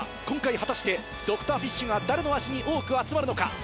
今回果たしてドクターフィッシュが誰の足に多く集まるのか。